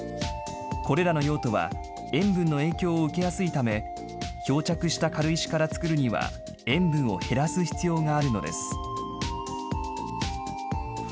これらの用途は、塩分の影響を受けやすいため、漂着した軽石から作るには、塩分を減らす必要があるのです。